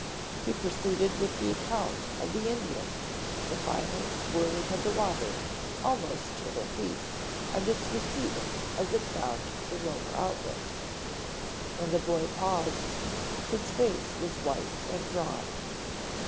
He proceeded with the account of the Indians, the final swirling of the water almost to their feet and its receding as it found the lower outlet. When the boy paused, his face was white and drawn.